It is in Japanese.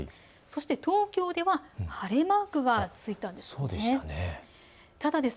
東京では晴れマークが付いたんです。